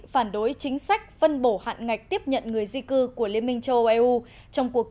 phản đối chính sách phân bổ hạn ngạch tiếp nhận người di cư của liên minh châu âu eu trong cuộc